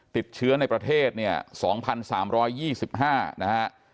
ติดเชื้อในประเทศเนี่ย๒๓๒๕นะฮะ